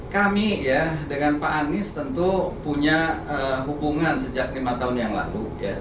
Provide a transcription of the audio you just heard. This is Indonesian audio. kami ya dengan pak anies tentu punya hubungan sejak lima tahun yang lalu